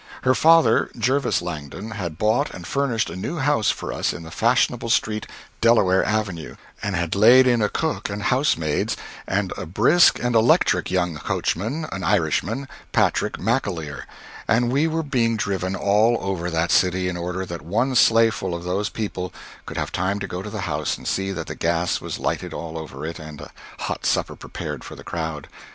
Her father, Jervis Langdon, had bought and furnished a new house for us in the fashionable street, Delaware Avenue, and had laid in a cook and housemaids, and a brisk and electric young coachman, an Irishman, Patrick McAleer and we were being driven all over that city in order that one sleighful of those people could have time to go to the house, and see that the gas was lighted all over it, and a hot supper prepared for the crowd.